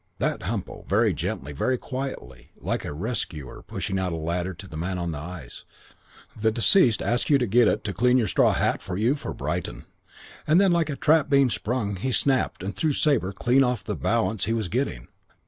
"That Humpo! Very gently, very quietly, like a rescuer pushing out a ladder to the man on the ice, 'The deceased asked you to get it to clean your straw hat for you for Brighton.' And then like a trap being sprung he snapped and threw Sabre clean off the balance he was getting.